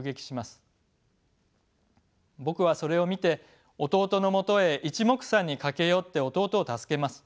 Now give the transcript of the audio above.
僕はそれを見て弟のもとへいちもくさんに駆け寄って弟を助けます。